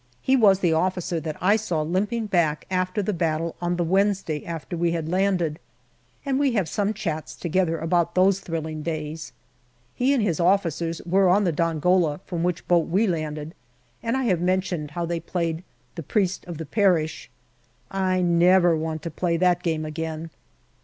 He was the officer that I saw limping back after the battle on the Wednesday after we had landed, and we have some chats together about those thrilling days. He and his officers were on the Dongola, from which boat we landed, and I have mentioned how they played " The Priest of the Parish." I never want to play that game again.